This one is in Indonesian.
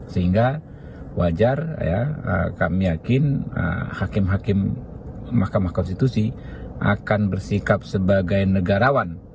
sehingga wajar kami yakin hakim hakim mahkamah konstitusi akan bersikap sebagai negarawan